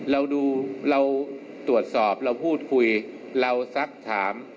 เราดูเราตรวจสอบเราพูดคุยเราซักถาม